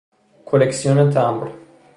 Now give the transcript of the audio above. کلکسیون تمبر